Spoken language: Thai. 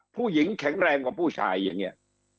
ผู้หญิงแข็งแรงกว่าผู้ชายอย่างเงี้ย